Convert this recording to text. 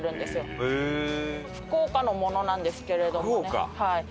福岡のものなんですけれどもね。